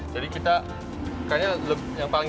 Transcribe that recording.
jadi kita kayaknya yang paling